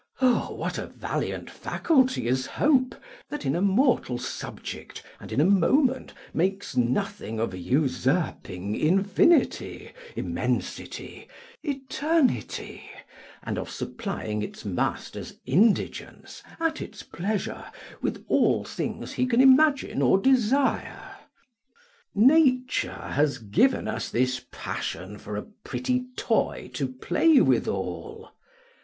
O what a valiant faculty is hope, that in a mortal subject, and in a moment, makes nothing of usurping infinity, immensity, eternity, and of supplying its master's indigence, at its pleasure, with all things he can imagine or desire! Nature has given us this passion for a pretty toy to play withal.